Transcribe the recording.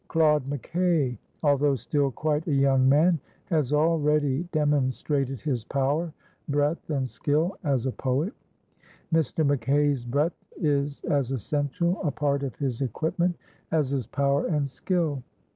Claude McKay, although still quite a young man, has already demonstrated his power, breadth and skill as a poet. Mr. McKay's breadth is as essential a part of his equipment as his power and skill.